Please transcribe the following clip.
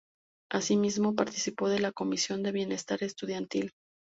Asimismo, participó de la Comisión de Bienestar Estudiantil.